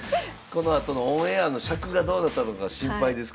このあとのオンエアの尺がどうなったのか心配ですけれども。